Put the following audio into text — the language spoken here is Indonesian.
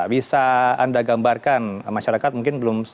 bisa anda gambarkan masyarakat mungkin belum